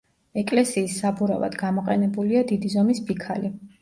ეკლესიის საბურავად გამოყენებულია დიდი ზომის ფიქალი.